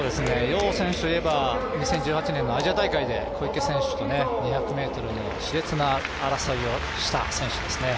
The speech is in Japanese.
楊選手は２０２０年のアジア大会で小池選手と２００ｍのしれつな争いをした選手ですね。